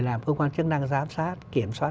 làm cơ quan chức năng giám sát kiểm soát